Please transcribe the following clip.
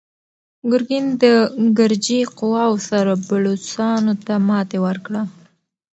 ګورګین د ګرجي قواوو سره بلوڅانو ته ماتې ورکړه.